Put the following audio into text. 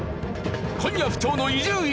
今夜不調の伊集院。